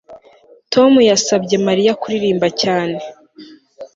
Tom yasabye Mariya kuririmba cyane